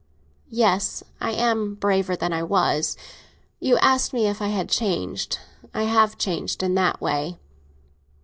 "Yes, I am braver than I was. You asked me if I had changed; I have changed in that way.